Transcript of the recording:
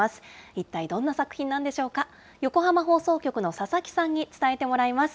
一体どんな作品なんでしょうか、横浜放送局の佐々木さんに伝えてもらいます。